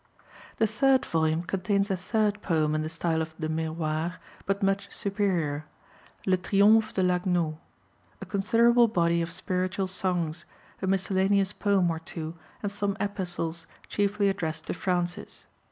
The third volume contains a third poem in the style of the Miroir, but much superior, Le Triomphe de l'Agneau, a considerable body of spiritual songs, a miscellaneous poem or two, and some epistles, chiefly addressed to Francis.